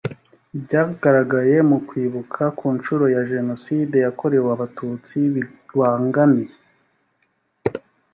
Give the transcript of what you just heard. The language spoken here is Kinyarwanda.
ibyagaragaye mu kwibuka ku nshuro ya jenoside yakorewe abatutsi bibangamiye